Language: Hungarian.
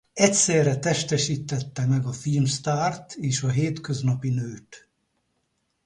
Egyszerre testesítette meg a filmsztárt és a hétköznapi nőt.